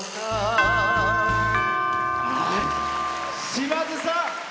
島津さん。